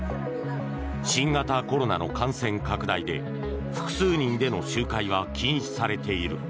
新型コロナの感染拡大で複数人での集会は禁止されている。